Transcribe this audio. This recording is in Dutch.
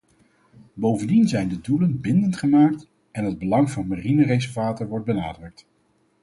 Bovendien zijn de doelen bindend gemaakt, en het belang van mariene reservaten wordt benadrukt.